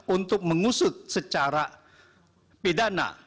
untuk mengusut secara pidana